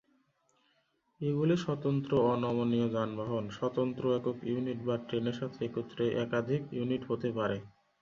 এগুলি স্বতন্ত্র অনমনীয় যানবাহন, স্বতন্ত্র একক ইউনিট বা ট্রেনের সাথে একত্রে একাধিক ইউনিট হতে পারে।